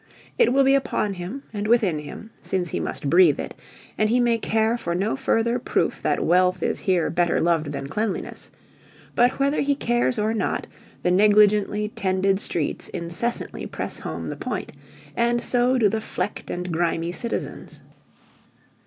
It will be upon him and within him, since he must breathe it, and he may care for no further proof that wealth is here better loved than cleanliness; but whether he cares or not, the negligently tended streets incessantly press home the point, and so do the flecked and grimy citizens.